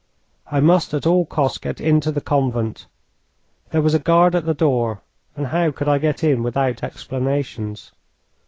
I must, at all costs, get into the convent. There was a guard at the door, and how could I get in without explanations?